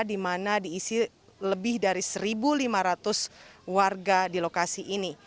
di mana diisi lebih dari satu lima ratus warga di lokasi ini